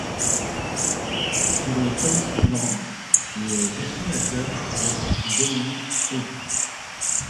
Sur les tomes suivants, le dessinateur est Dominique Hé.